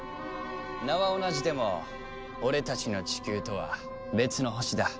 名は同じでも俺たちのチキューとは別の星だ。